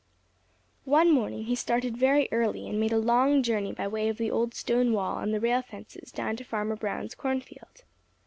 One morning he started very early and made a long journey by way of the old stone wall and the rail fences down to Farmer Brown's cornfield.